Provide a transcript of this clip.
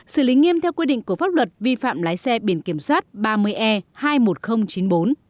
xử lý nghiêm theo quy định của pháp luật vi phạm lái xe biển kiểm soát ba mươi e hai mươi một nghìn chín mươi bốn